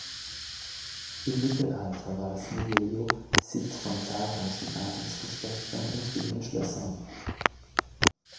Im Mittelalter war das Mugello Sitz von zahlreichen Adelsgeschlechtern und deren Schlössern.